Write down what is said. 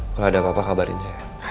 kalau ada apa apa kabarin saya